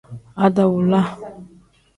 Adawula.